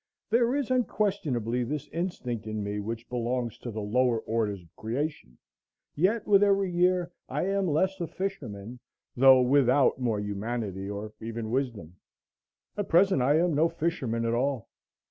There is unquestionably this instinct in me which belongs to the lower orders of creation; yet with every year I am less a fisherman, though without more humanity or even wisdom; at present I am no fisherman at all.